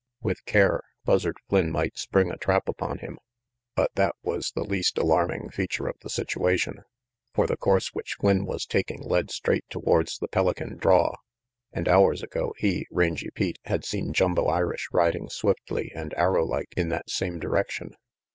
With care. Buzzard Flynn might spring a trap upon him; but that was the least alarming feature of the situation. For the course which Flynn was taking led straight towards the Pelican draw. And hours ago he, Rangy Pete, had seen Jumbo Irish riding swiftly 100 RANGY PETE 101 and arrow like in that same direction.